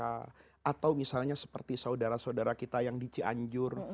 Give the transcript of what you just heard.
atau misalnya seperti saudara saudara kita yang di cianjur